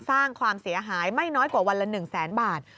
สร้างความเสียหายไม่น้อยกว่าวันละ๑แสนบาท